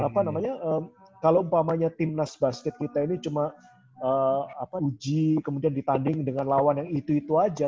apa namanya kalau umpamanya timnas basket kita ini cuma uji kemudian ditanding dengan lawan yang itu itu aja